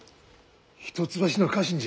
一橋の家臣じゃ。